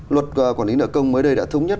luật quản lý nợ công mới đây đã thống nhất